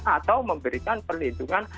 atau memberikan perlindungan